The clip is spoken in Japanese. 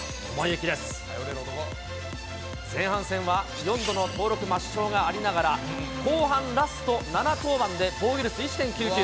前半戦は４度の登録抹消がありながら、後半ラスト７登板で防御率１．９９。